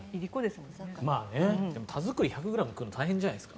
田作り１００ｇ食べるの大変じゃないですか？